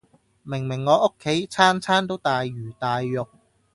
明明我屋企餐餐都大魚大肉